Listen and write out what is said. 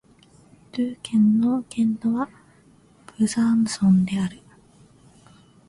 ドゥー県の県都はブザンソンである